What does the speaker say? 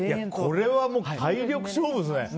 これは体力勝負ですね。